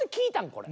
これ。